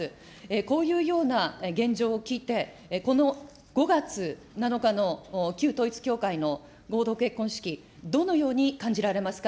こういうような現状を聞いて、この５月７日の旧統一教会の合同結婚式、どのように感じられますか。